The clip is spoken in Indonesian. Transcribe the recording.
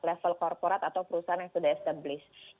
level korporat atau perusahaan yang sudah established